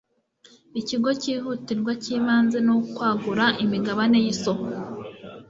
ikigo cyihutirwa cyibanze ni kwagura imigabane yisoko